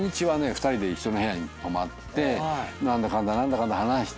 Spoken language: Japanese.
２人で一緒の部屋に泊まって何だかんだ話して。